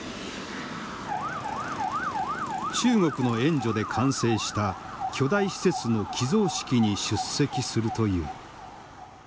中国の援助で完成した巨大施設の寄贈式に出席するという。